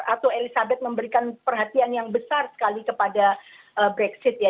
ratu elizabeth memberikan perhatian yang besar sekali kepada brexit ya